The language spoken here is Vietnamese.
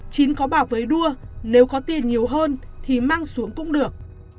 chín có bà với đua nếu có tiền nhiều hơn thì mang xuống cũng được